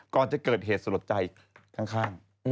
ก่อนจะเกิดเหตุสลดใจข้าง